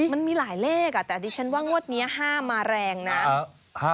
มันมีหลายเลขแต่ดิฉันว่างวดนี้๕มาแรงนะ